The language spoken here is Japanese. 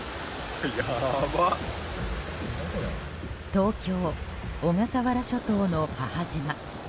東京・小笠原諸島の母島。